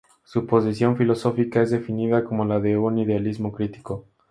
Su posición filosófica es definida como la de un "idealismo crítico".